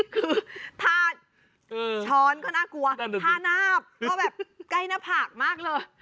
คือถ้าช้อนก็น่ากลัวท่านาบก็แบบใกล้หน้าผากมากเลย